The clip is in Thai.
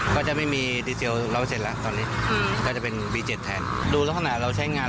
ก็จะมีดีเจลเล่าเสร็จแล้วตอนนี้อืมก็จะเป็นวีเจ็ดแทนดูลักษณะเราใช้งาน